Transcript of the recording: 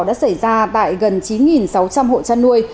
đã xảy ra tại gần chín sáu trăm linh hộ chăn nuôi